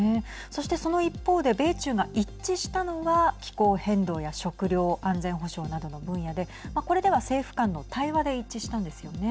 そしてその一方で米中が一致したのは気候変動や食料安全保障などの分野でこれでは、政府間の対話で一致したんですよね。